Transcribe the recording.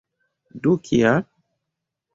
Do kial?